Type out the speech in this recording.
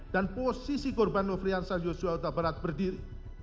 dan posisi korban nofriansah yosua utabarat berdiri